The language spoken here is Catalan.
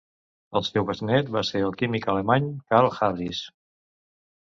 El seu besnet va ser el químic alemany Carl Harries.